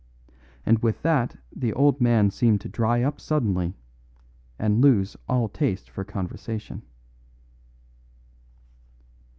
And with that the old man seemed to dry up suddenly and lose all taste for conversation.